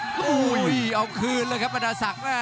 รับทราบบรรดาศักดิ์